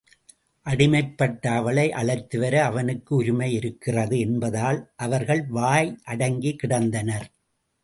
அடிமைப்பட்ட அவளை அழைத்துவர அவனுக்கு உரிமை இருக்கிறது என்பதால் அவர்கள் வாய் அடங்கிக் கிடந்தனர்.